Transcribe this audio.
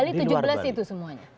di luar bali tujuh belas itu semuanya